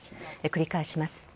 繰り返します。